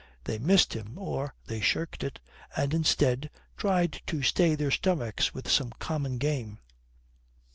They missed him, or they shirked it, and instead, tried to stay their stomachs with some common game.